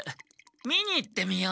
見に行ってみよう。